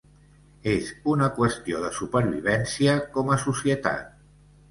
És una qüestió de supervivència com a societat.